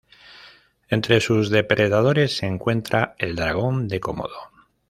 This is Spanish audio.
Entre sus depredadores se encuentra el dragón de Komodo.